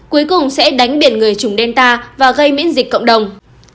cuối cùng sẽ đánh biển người chủng delta và gây miễn dịch cộng đồng